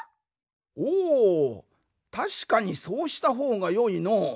おおたしかにそうしたほうがよいのう。